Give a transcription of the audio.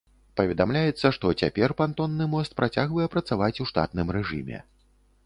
Паведамляецца, што цяпер пантонны мост працягвае працаваць у штатным рэжыме.